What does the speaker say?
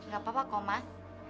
gak apa apa komar